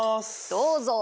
どうぞ。